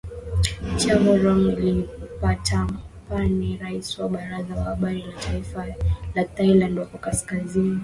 Chavarong Limpattamapanee rais wa Baraza la Habari la Taifa la Thailand wako kaskazini,